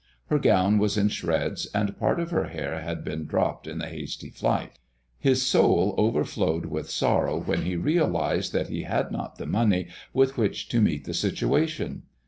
Her gown was in shreds, and part of her hair had been dropped in the hasty flight. His soul overflowed with sorrow when he realized that he had not the money with which to meet the situation.